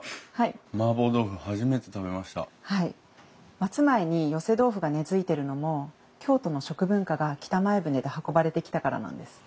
松前に寄せ豆腐が根づいてるのも京都の食文化が北前船で運ばれてきたからなんです。